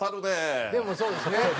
でもそうですね。